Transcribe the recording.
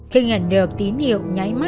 khi nhận được tín hiệu nháy mắt